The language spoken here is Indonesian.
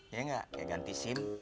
iya gak kayak ganti sim